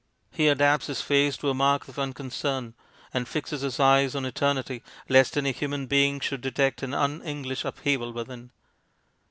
He adapts his face to a mark of unconcern, and fixes his eyes on eternity, lest any human being should detect the un English upheaval within.